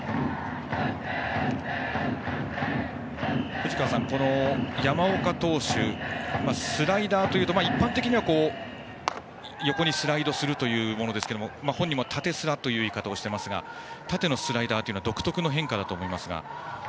藤川さん、山岡投手スライダーというと一般的には横にスライドするものですが本人も縦スラという言い方をしていますが縦のスライダーは独特の変化だと思います。